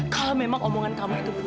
kalau memang omongan kamu itu